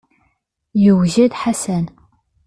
Yewjed Ḥasan.